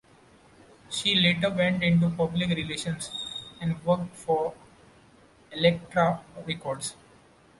She later went into public relations and worked for Elektra Records.